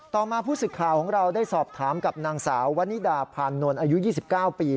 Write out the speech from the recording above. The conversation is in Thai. ต่อมาผู้สึกข่าวของเราได้สอบถามกับนางสาววนิดาพานนท์อายุ๒๙ปี